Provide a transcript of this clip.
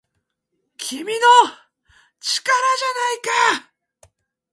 「君の！力じゃないか!!」